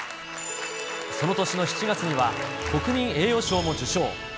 その年の７月には、国民栄誉賞も受賞。